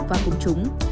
và công chúng